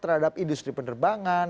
terhadap industri penerbangan